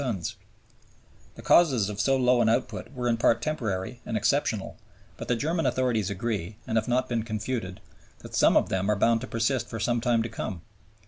The causes of so low an output were in part temporary and exceptional but the German authorities agree, and have not been confuted, that some of them are bound to persist for some time to come.